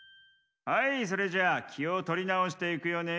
はいそれじゃきをとりなおしていくよね。